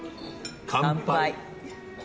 乾杯！